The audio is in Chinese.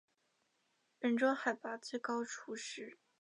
本州海拔最高处是。